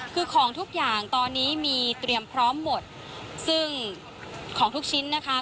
คือของทุกอย่างตอนนี้มีเตรียมพร้อมหมดซึ่งของทุกชิ้นนะคะ